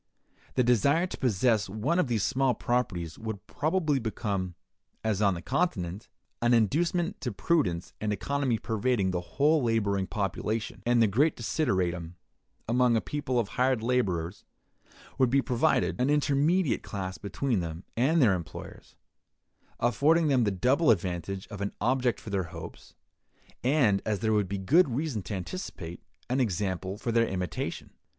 The desire to possess one of these small properties would probably become, as on the Continent, an inducement to prudence and economy pervading the whole laboring population; and that great desideratum among a people of hired laborers would be provided, an intermediate class between them and their employers; affording them the double advantage of an object for their hopes, and, as there would be good reason to anticipate, an example for their imitation.